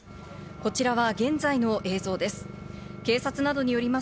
こちらが現在の映像です。